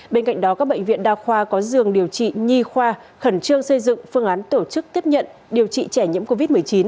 bên cạnh đó các bệnh viện đa khoa có giường điều trị nhi khoa khẩn trương xây dựng phương án tổ chức tiếp nhận điều trị trẻ nhiễm covid một mươi chín